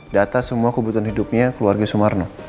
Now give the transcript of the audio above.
data semua kebutuhan hidupnya keluarga sumarno